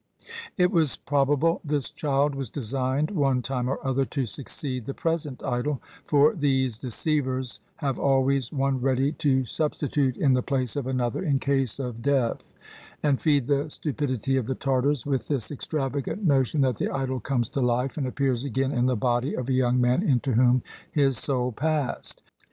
It was prob able this child was designed one time or other to succeed the present idol, for these deceivers have always one ready to substitute in the place of another in case of 172 A VISIT TO A LAMA death, and feed the stupidity of the Tartars with this extravagant notion that the idol comes to life and ap pears again in the body of a young man into whom his soul passed.